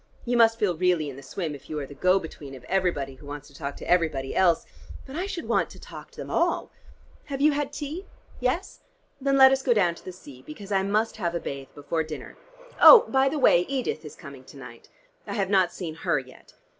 You must feel really in the swim, if you are the go between of everybody who wants to talk to everybody else; but I should want to talk to them all. Have you had tea? Yes? Then let us go down to the sea, because I must have a bathe before dinner. Oh, by the way, Edith is coming to night. I have not seen her yet.